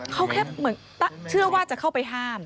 เขาแค่เหมือนเชื่อว่าจะเข้าไปห้าม